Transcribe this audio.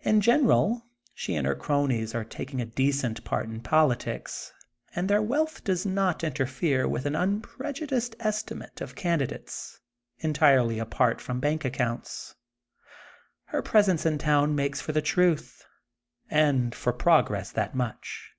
In general she and her cronies are taking a decent part in politics, and their wealth does not interfere with an unprejudiced estimate of candidates, entirely apart from bank accounts. Her pres ence in town makes for the truth, and for progress that much.